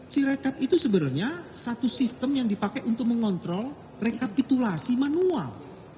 si rekap itu sebenarnya satu sistem yang dipakai untuk mengontrol rekapitulasi manual